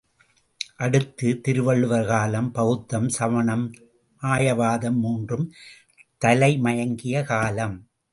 அடுத்து, திருவள்ளுவர்காலம் பெளத்தம், சமணம், மாயாவாதம் மூன்றும் தலைமயங்கிய காலம்.